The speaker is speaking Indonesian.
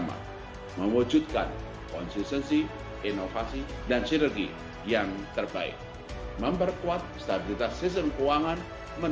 baik bapak ibu dengan demikian telah resmi sudah diluncurkan buku kajian stabilitas keuangan nomor empat puluh